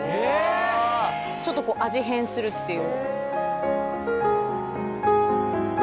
ちょっと味変するっていう。